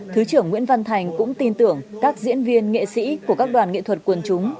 thứ trưởng nguyễn văn thành cũng tin tưởng các diễn viên nghệ sĩ của các đoàn nghệ thuật quần chúng